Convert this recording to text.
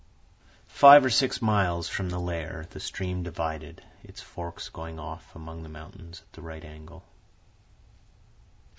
Five or six miles from the lair, the stream divided, its forks going off among the mountains at a right angle.